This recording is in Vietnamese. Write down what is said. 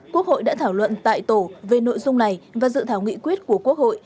quốc hội đã thảo luận tại tổ về nội dung này và dự thảo nghị quyết của quốc hội